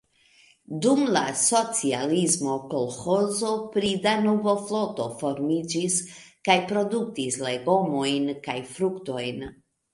Dum la socialismo kolĥozo pri Danubo-floto formiĝis kaj produktis legomojn kaj fruktojn.